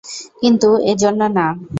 কিন্তু এজন্য না।